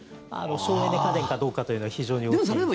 省エネ家電かどうかというのは非常に大きい。